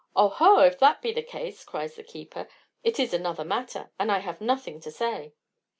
"Oho! if that be the case," cries the keeper, "it is another matter, and I have nothing to say."